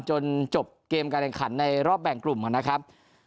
จนจบเกมการแข่งขันในรอบแบ่งกลุ่มนะครับ